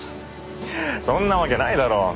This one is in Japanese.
そんなわけないだろう。